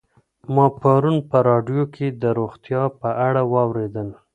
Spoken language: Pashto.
ما پرون په راډیو کې د روغتیا په اړه واورېدل.